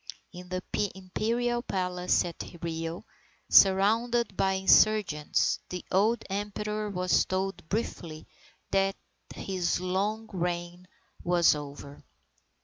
In the Imperial Palace at Rio, surrounded by insurgents, the old Emperor was told briefly that his long reign was over.